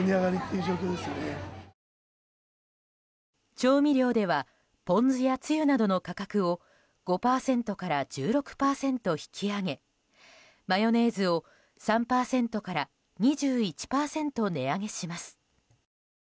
調味料ではポン酢やつゆなどの価格を５％から１６％引き上げマヨネーズを３％から２１％値上げします。